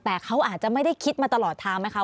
แต่เขาอาจจะไม่ได้คิดมาตลอดทางไหมคะ